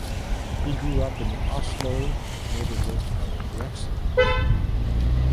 He grew up in the Oslo neighborhood of Grefsen.